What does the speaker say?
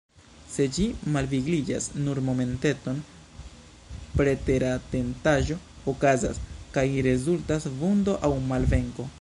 Se ĝi malvigliĝas nur momenteton, preteratentaĵo okazas, kaj rezultas vundo aŭ malvenko.